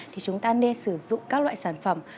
thì chúng ta nên sử dụng các loại sản phẩm